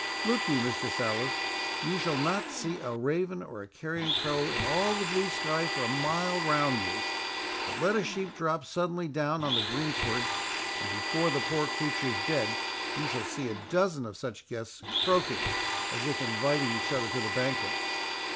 Look you, Mistress Alice, you shall not see a raven or a carrion crow in all the blue sky for a mile round you; but let a sheep drop suddenly down on the green sward, and before the poor creature's dead you shall see a dozen of such guests croaking, as if inviting each other to the banquet.